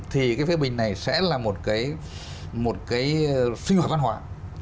thì cái phê bình này sẽ là một cái sinh hoạt văn hóa